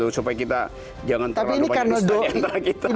supaya kita jangan terlalu banyak listrik antara kita